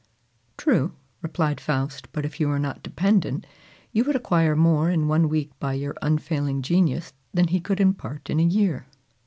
"True," replied Faust; "but if you were not dependent, you would acquire more in one week by your unfailing genius than he could impart in a year.